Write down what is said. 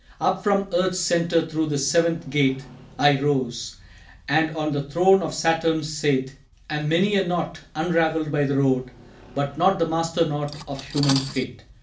"_Up from Earth's Centre thro' the Seventh Gate I rose, and on the throne of Saturn sate, And many a Knot unravelled by the Road But not the Master knot of Human fate.